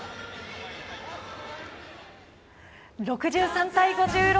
６３対５６。